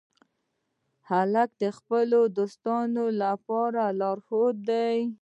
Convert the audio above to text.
هلک د خپلو دوستانو لپاره لارښود دی.